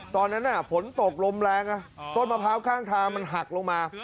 ตอนนั้นฝนตกลมแรงต้นมะพร้าวข้างทางมันหักลงมา